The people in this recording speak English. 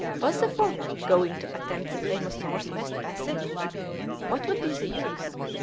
Was the Forward going to attempt the famous North West passage? What would be the use?